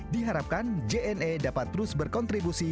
diharapkan jna dapat terus berkontribusi